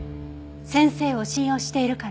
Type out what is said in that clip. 先生を信用しているから。